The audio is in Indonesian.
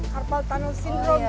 carpal tunnel syndrome kita sebutnya